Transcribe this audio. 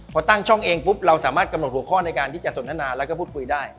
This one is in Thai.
พอตั้งช่องเองปุ๊บเราสามารถกำหนดหัวข้อในการที่จะสนทนาแล้วก็พูดคุยได้